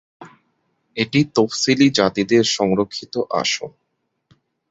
এটি তফসিলী জাতিদের সংরক্ষিত আসন।